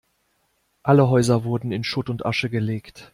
Alle Häuser wurden in Schutt und Asche gelegt.